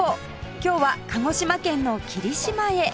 今日は鹿児島県の霧島へ